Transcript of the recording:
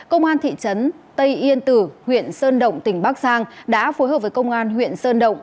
công an thị trấn tây yên tử huyện sơn động tỉnh bắc giang đã phối hợp với công an huyện sơn động